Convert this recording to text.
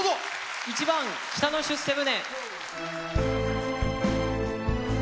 １番「北の出世船」。